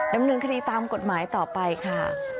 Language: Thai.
ดำเนินคดีตามกฎหมายต่อไปค่ะ